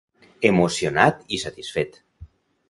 Emocionat i satisfet.